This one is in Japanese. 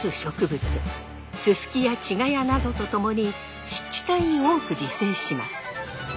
ススキやチガヤなどと共に湿地帯に多く自生します。